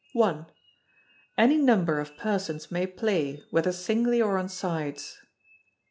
i. Any number of persons may play, whether singly or on sides.